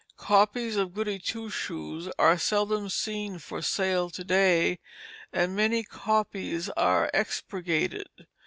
Copies of Goody Two Shoes are seldom seen for sale to day, and many copies are expurgated.